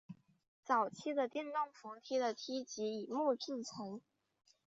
早期的电动扶梯的梯级以木制成。